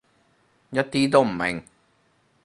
一啲都唔明